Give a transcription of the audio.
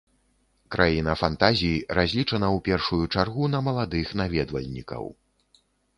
Краіна фантазій разлічана ў першую чаргу на маладых наведвальнікаў.